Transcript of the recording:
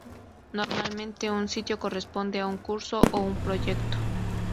Normalmente, un sitio corresponde a un curso o un proyecto.